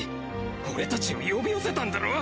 俺達を呼び寄せたんだろ！？